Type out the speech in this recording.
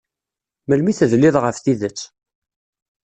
Melmi tedliḍ ɣef tidet?